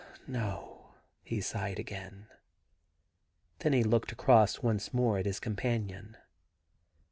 ' No.' He sighed again. Then he looked across once more at his companion.